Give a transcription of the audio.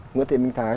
nguyễn thị minh thái